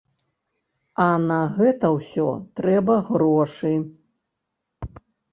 А на гэта ўсё трэба грошы.